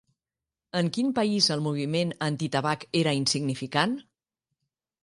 En quin país el moviment antitabac era insignificant?